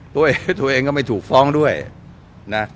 ตัวเองก็ไม่ถูกฟ้องด้วยนะ